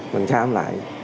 mình khám lại